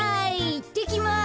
いってきます。